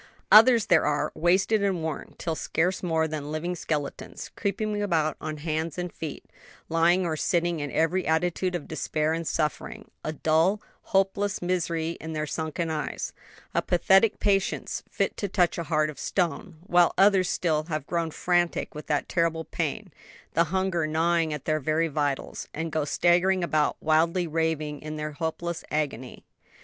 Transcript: Others there are, wasted and worn till scarce more than living skeletons, creeping about on hands and feet, lying or sitting in every attitude of despair and suffering; a dull, hopeless misery in their sunken eyes, a pathetic patience fit to touch a heart of stone; while others still have grown frantic with that terrible pain, the hunger gnawing at their very vitals, and go staggering about, wildly raving in their helpless agony.